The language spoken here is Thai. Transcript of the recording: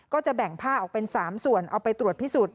ก็จะแบ่งผ้าออกเป็น๓ส่วนเอาไปตรวจพิสูจน